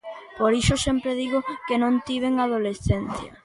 Por iso sempre digo que non tiven adolescencia.